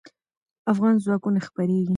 افغان ځواکونه خپرېږي.